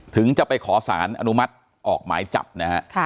ถึงจะไปขอสารอนุมัติออกหมายจับนะฮะ